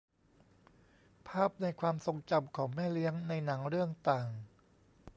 ภาพในความทรงจำของแม่เลี้ยงในหนังเรื่องต่าง